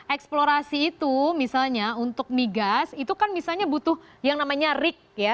eksplorasi itu misalnya untuk migas itu kan misalnya butuh yang namanya ric ya